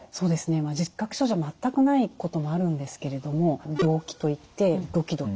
全くないこともあるんですけれども動悸といってドキドキ。